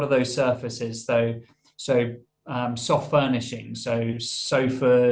mengususnya sebagai una pertumbuhan corridul atau seni